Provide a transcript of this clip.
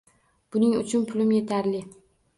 Buning uchun pulim yetarli